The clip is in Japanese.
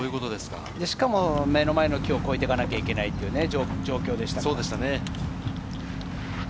しかも目の前の木を越えていかなければいけない状況でしたから。